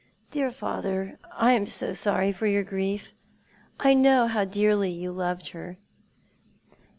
" Dear father, I am so sorry for your grief. I know how dearly you loved her."